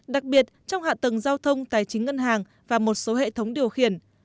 đặc biệt trong hạ tầng giao thông tài chính ngân hàng và một số hệ thống điều khiển